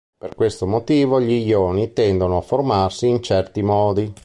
Per questo motivo gli ioni tendono a formarsi in certi modi.